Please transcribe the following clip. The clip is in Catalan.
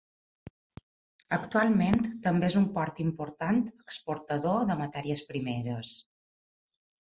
Actualment també és un port important exportador de matèries primeres.